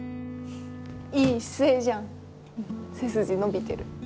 いい姿勢じゃん背筋伸びてる。